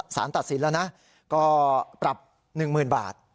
สารตัดสินแล้วนะก็ปรับ๑๐๐๐บาท